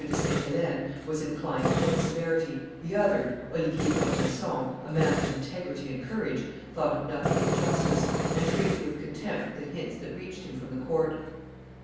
de Sainte Helene, was inclined towards severity; the other, Oliver d'Ormesson, a man of integrity and courage, thought of nothing but justice, and treated with contempt the hints that reached him from the court.